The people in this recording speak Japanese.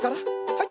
はい。